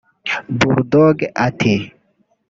Bulldog ati